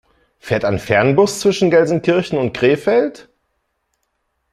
Fährt ein Fernbus zwischen Gelsenkirchen und Krefeld?